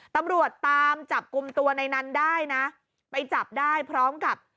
ตำรวจตามจับกลุ่มตัวในนั้นได้นะไปจับได้พร้อมกับ